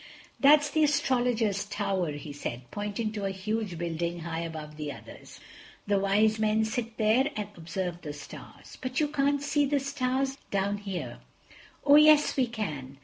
"That's the Astrologers' Tower," he said, pointing to a huge building high above the others. "The wise men sit there and observe the stars." "But you can't see the stars down here." "Oh, yes, we can.